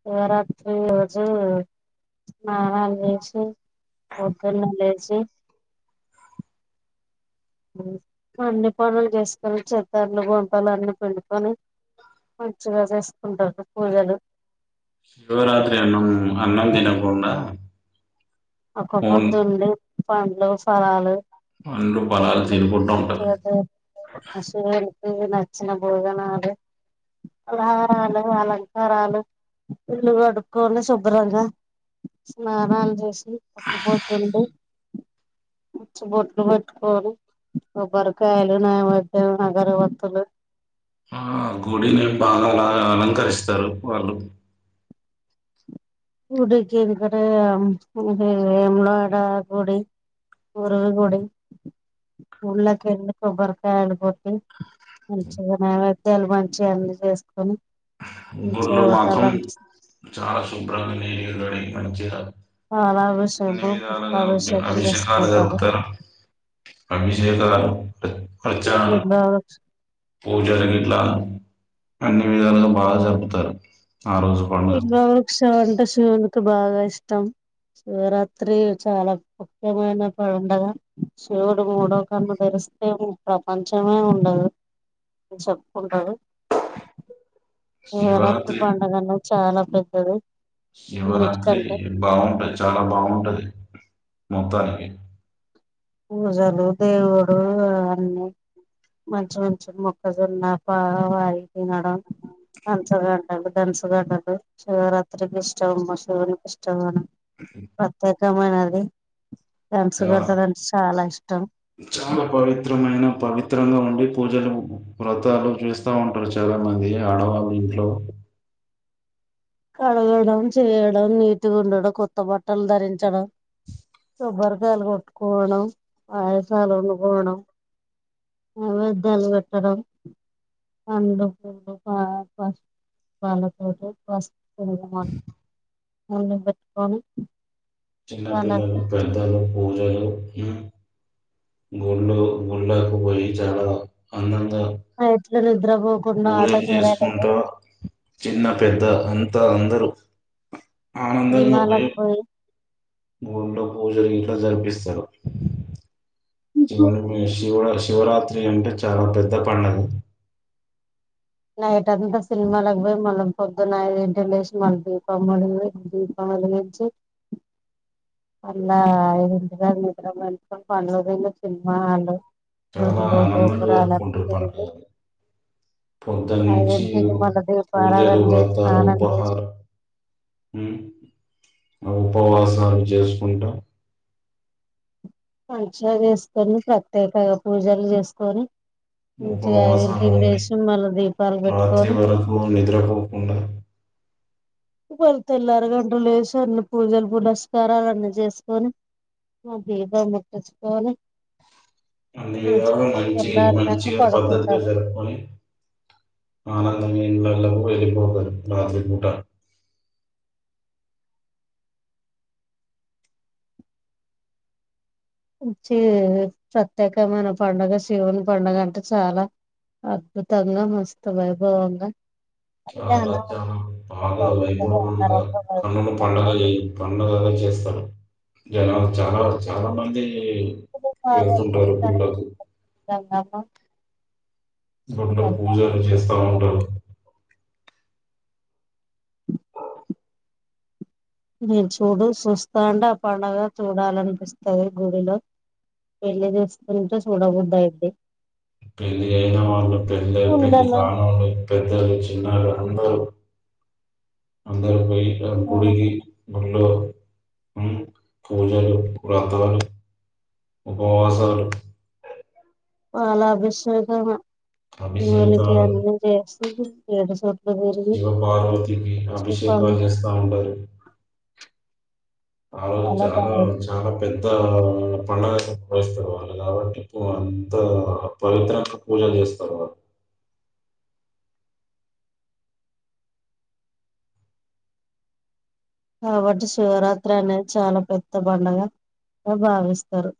శివరాత్రి రోజు స్నానాలు చేసి పొద్దున్నే లేచి అన్ని పనులు చేసుకొని చేద్దార్లు, బొంతాలు అన్ని పిండుకొని మంచిగా రెస్ట్ శివరాత్రి అన్నం, అన్నం తినకుండా ఒక్క ఓన్ పొద్దుండి. పండ్లు, ఫలాలు పండ్లు అ ఫలాలు తినుకుంటూ ఉంటారు మంచిగా దేవున్ ఆ శివుడు ఇక నచ్చిన భోజనాలు ఫలహారాలు అలంకారాలు ఇల్లు కడుక్కొవాలి శుభ్రంగా స్నానాలు చేసి వక్కపోద్దుండి ఆ గుడిని బాగా అలాగ అలంకరిస్తారు వాళ్ళు గుడికి వెనుకల ఇది ఎల గుడిఉరులి గుడి ఉళ్యేకెళ్ళి కొబ్బరికాయలు కొట్టి మంచిగున్నవత్ పిల్ల మంచిగా ఉంది చేసుకొని మంచిగా గుళ్ళో మాత్రం తలం చాలా శు ు ప్ర్రాద [inaudible] ఏ మంచిగా అన్ని పాలభిషేకం విధాలుగా పుష్పాభిషేకం అభిషేకాలు చేసుకుంటారు నితొ రాగం పత్త [unintelligible] వచ్చా బిల్వవృక్షం పూజాలన్నీట్ల అన్ని విధాలా బాగా జరుపుతారు ఆ రోజు పండుగ ఇగొ బుక్స్ అంటె చూడడు నాకు బాగా ఇష్టం శివరాత్రి చాలా ముఖ్యమైన పండుగ శివుడు మూడో కన్ను తెరిస్తే ప్రపంచమే ఉండదు అ చెప్పుకుంటారు శివరాత్రి పండుగ అనేది చాలా పెద్దది శివరాత్రి అన్నిటికంటే బాగుంటది చాలా బాగుంటది మొత్తానికి పూజలు దేవుడు అన్ని మంచి మంచి మొక్కజొన్నా పావాయి తినడం అన్ంచగడ్ అ [inaudible] ధనసట్టదు శివరాత్రికి ఇష్టవమ్ శివునికి ఇష్టం పద్దత్ ఉత్తమైనది చాలా క్యన్న్సెగడ్డరన్స్ చాలా పవిత్రమైన పవి చిత్రలొ ఉండి పూజలు వ్రతాలు చేస్తా ఉంటారు చాలా కడగడం చేయడం నీటిగా ఉండడం కొత్త బట్టలు ధరించడం కొబ్బరికాయలు కొట్టుకోవడం ఆయకాయలు వండుకోవడం న్తెవేద్యాలు పెట్టడం పండ్లు పూలు ప పసుపు పాలతోటి పస్ అన్న వొళ్ళో పెట్టుకొని చిన్న పిల్లలు వాళ్ళకి పెద్దాలు పూజలు గుళ్ళు గుళ్ళకి పోయి చాల అన్నం ఎట్లా నిద్రపోకుండా ఆట కేల ఎల్లెది చేసుకుంటా చిన్న పెద్ద అంతా అందరూ ఆనందంగా సినిమాలకు పోయిం పోయి గుళ్ళో పూజలు గిట్ల జరిపిస్తారు ఎవరొ ఫొన్ చెసింది శివా శివరాత్రి అంటే చాలా పెద్ద పండగ నైట్ అంతా సినిమాలకి పోయి మళ్ళీ పొద్దున్న ఐదు ఇంటికి లేసి మళ్ళీ దీపం వెలియి దీపం వెలిగించి మల్ల ఐదు నిద్ర పడుకొని పనులు కి సినిమా హాల్ చాలా ఆనందంగా జరుపుకుంటారు తిరిగి పడుగలు పొద్దున్న నుంచి ఐదింటికి మళ్ళ పూజలు దీపారాధన చేసి వ్రతాలు స్నానం చేసి ఉపహారం హు ఆ ఉపవాసాలు చేసుకుంటా మంచిగా చేసుకొని ప్రత్యేకంగా పూజలు చేసుకొని మంచిగా ఉపవాసాలు ఐదింటికి ఉండి లేసి మళ్ళ దీపాలు రాత్రి పెట్టుకొని వరకు నిద్రపోకుండా మల్లా తెల్లర గంటలు లేసి అన్ని పూజలు పురస్కారాలు అన్ని చేసుకొని మా దీపం ముట్టించుకొని అన్ని విధల మంచిగా మంచి తెల్లారినాక మంచిగా పద్ధతిగా పడుకుంటారు జరుపుకొని ఆనందగా ఇళ్లకు వెళ్ళిపోతారు రాత్రి పూట మంచి ప్రత్యేకమైన పండుగ శివుని పండుగ అంటే చాలా అద్భుతంగా మస్తు వైభవంగా చాలా కళ్యాణం చాలా అనేది బాగా జరుగుతది వైభవంగా అంగరంగ కన్నుల వైభవంగా పండగ ఈ ఉన్నగా చేస్తారు జనాలు చాలా చాలా మంది, వెళ్తుంటారు గుళ్ళకు [unintelligible] గూలో కళ్యాణం పూజలు చేస్తా ఉంటారు మీరు చూడు చూస్తా అంటే ఆ పడుగ చూడాలనిపిస్తది గుడిలో వెళ్లి చూస్తుంటే చూడబుద్ధి అయిది పెళ్ళ అయిన వాళ్ళు పెళ్ళ పెళ్లి ఉండాల కానళ్ళ పెద్దలు చిన్నాలు ఉందరు అందరూ పోయి గుడికి గూలో పూజలు వ్రతాలు ఉపవాసాలు పాల అభిషేకమా శివునికి అభిషేకాలు అన్నీ చేస్తా హు ఏడు స శివ పార్వతికి అభిషేకాలు చేస్తా ఉంటారు ఆ రోజు చాలా చానా బాగుంది చాలా పెద్ద ఆ పండగస్తారు వాళ్ళు కాబట్టి అంత పవిత్రంగా పూజలు చేస్తాారు వాళ్ళు కాబట్టి శివరాత్రి అనేది చాలా పెద్ద పండుగ భావిస్తారు